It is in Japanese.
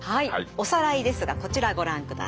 おさらいですがこちらご覧ください。